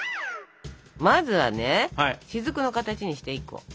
まずはねしずくの形にして１個。